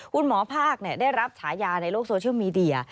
คุณหมอภาคได้รับฉายาในโลกโซเชียลมีเดีย